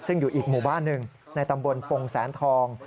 ซึ่งอยู่อีกหมู่บ้านหนึ่งในตำบลปงแสนทอง